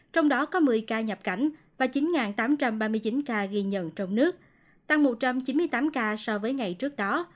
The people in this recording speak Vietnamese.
trong đó có một mươi ca nhập cảnh và chín tám trăm ba mươi chín ca ghi nhận trong nước tăng một trăm chín mươi tám ca so với ngày trước đó